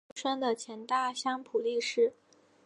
清国胜雄出身的前大相扑力士。